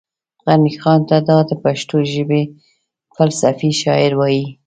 غني خان ته دا پښتو ژبې فلسفي شاعر وايي